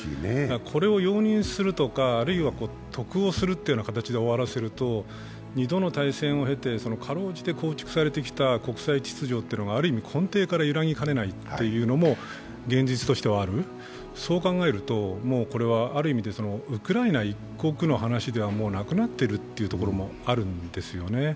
これを容認するとか、あるいは得をするという形で終わらせると、二度の大戦をへて辛うじて保たれてきた根底秩序というのがある意味、根底からゆらぎかねないというのも現実としてはある、そう考えると、ある意味でウクライナ一国の話では、もうなくなっているところもあるんですよね。